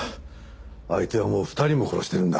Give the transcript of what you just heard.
相手はもう２人も殺してるんだ。